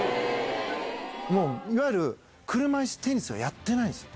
もういわゆる車いすテニスはやってないんですよ。